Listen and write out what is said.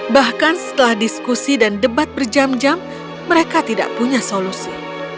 bahkan setelah diskusi dan debat berjam jam mereka tidak punya solusi